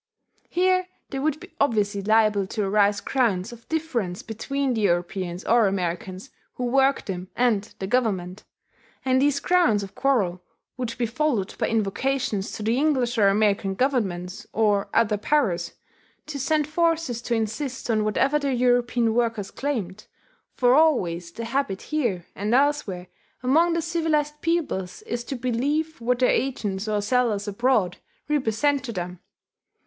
Here there would be obviously liable to arise grounds of difference between the Europeans or Americans who worked them and the Government, and these grounds of quarrel would be followed by invocations to the English or American Governments or other Powers to send forces to insist on whatever the European workers claimed, for always the habit here and elsewhere among the civilized peoples is to believe what their agents or sellers abroad represent to them.